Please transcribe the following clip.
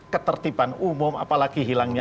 ketertiban umum apalagi hilangnya